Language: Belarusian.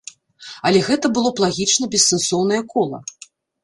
Але гэта было б лагічна бессэнсоўнае кола.